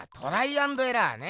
アンドエラーね！